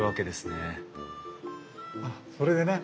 あっそれでね